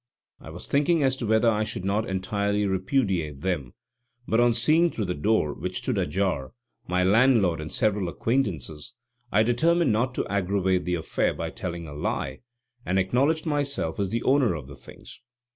I was thinking as to whether I should not entirely repudiate them, but on seeing through the door, which stood ajar, my landlord and several acquaintances, I determined not to aggravate the affair by telling a lie, and acknowledged myself as the owner of the things.